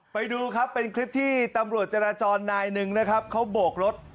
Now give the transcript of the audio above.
ไปดูครับเป็นคลิปที่ตำรวจจราจรนายหนึ่งนะครับเขาโบกรถ